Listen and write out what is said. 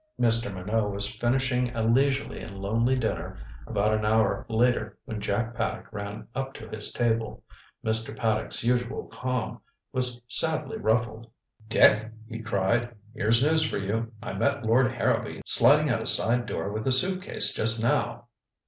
Mr. Minot was finishing a leisurely and lonely dinner about an hour later when Jack Paddock ran up to his table. Mr. Paddock's usual calm was sadly ruffled. "Dick," he cried, "here's news for you. I met Lord Harrowby sliding out a side door with a suit case just now."